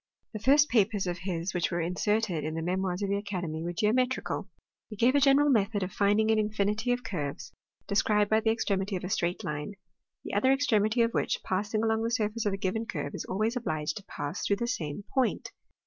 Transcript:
The first papers of his which were inserted in the Memoirs of the Academy were geometrical : he gave a general method "of finding an infinity of curves, described by the extremity of a straight line, the other extremity of which, passing along the surface of a given curve, is always obliged to pass through the same point.